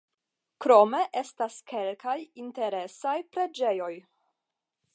Krome estas kelkaj interesaj preĝejoj.